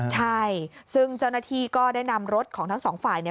ใช่ซึ่งเจ้าหน้าที่ก็ได้นำรถของทั้งสองฝ่ายเนี่ย